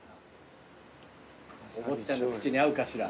お坊ちゃんの口に合うかしら？